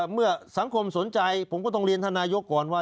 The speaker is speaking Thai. เมื่อสังคมสนใจผมก็ต้องเรียนท่านนายกก่อนว่า